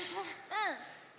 うん。